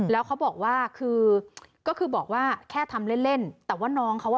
แล้วเขาบอกว่าคือก็คือบอกว่าแค่ทำเล่นเล่นแต่ว่าน้องเขาอ่ะ